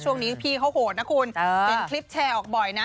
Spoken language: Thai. ช่วงนี้พี่เขาโหดนะคุณเห็นคลิปแชร์ออกบ่อยนะ